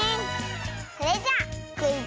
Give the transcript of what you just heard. それじゃクイズ